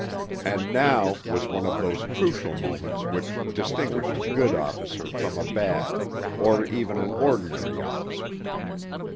And now was one of those crucial moments which distinguish a good officer from a bad, or even an ordinary officer.